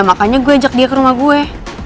makanya gue ajak dia ke rumah gue